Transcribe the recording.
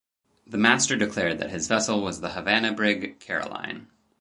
The master declared that his vessel was the Havana brig "Caroline".